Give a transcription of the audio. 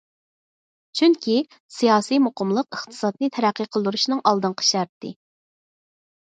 چۈنكى سىياسىي مۇقىملىق ئىقتىسادنى تەرەققىي قىلدۇرۇشنىڭ ئالدىنقى شەرتى.